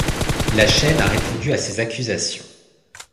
La chaîne a répondu à ces accusations.